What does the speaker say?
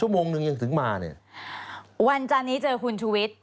โมงหนึ่งยังถึงมาเนี่ยวันจันนี้เจอคุณชุวิต